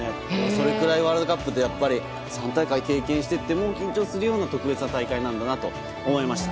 それくらいワールドカップって３大会、経験してても緊張するような特別な大会なんだなと思いました。